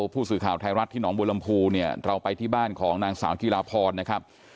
ผู้สื่อข่าวไทยรัฐที่หนองบัวลำพูเนี่ยเราไปที่บ้านของนางสาวจิลาพรนะครับ